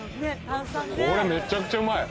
これめちゃくちゃうまい。